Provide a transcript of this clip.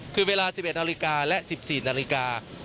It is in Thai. คือเวลา๑๑นาฬิกาและ๑๔นาฬิกา